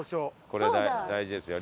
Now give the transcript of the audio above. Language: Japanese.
これ大事ですよ。